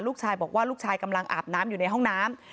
ลูกชายบอกว่าลูกชายกำลังอาบน้ำอยู่ในห้องน้ำ